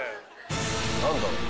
何だろう？